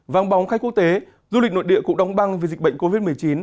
vang bóng khách quốc tế du lịch nội địa cũng đóng băng vì dịch bệnh covid một mươi chín